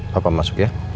bapak masuk ya